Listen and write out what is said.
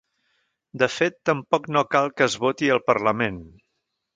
De fet, tampoc no cal que es voti al parlament.